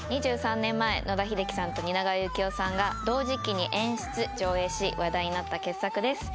２３年前野田秀樹さんと蜷川幸雄さんが同時期に演出・上演し話題になった傑作です